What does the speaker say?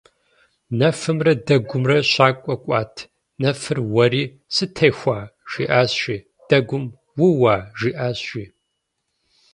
Нэфымрэ дэгумрэ щакӏуэ кӏуат. Нэфыр уэри: «сытехуа?» жиӏащ, жи. Дэгум: «ууа?» жиӏащ, жи.